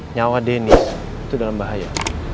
nyawa deni itu dalam bahaya